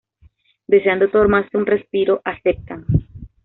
Deseando tomarse un respiro, aceptan.